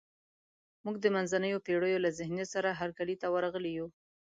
موږ د منځنیو پېړیو له ذهنیت سره هرکلي ته ورغلي یو.